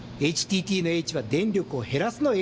ＨＴＴのＨは電力を減らすのＨ。